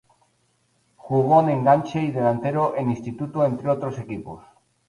Jugó de "enganche" y delantero en Instituto entre otros equipos.